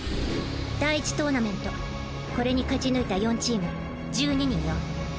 第１トーナメントこれに勝ち抜いた４チーム１２人よ。